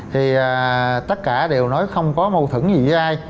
thì tất cả đều nói không có mâu thửng gì với ai